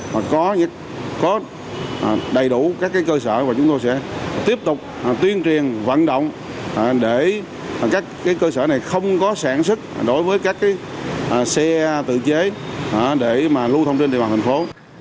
mà có đầy đủ các cơ sở và chúng tôi sẽ tiếp tục tuyên truyền vận động để các cơ sở này không có sản xuất đối với các xe tự chế để mà lưu thông trên địa bàn thành phố